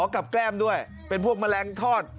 กับแก้มด้วยเป็นพวกแมลงทอด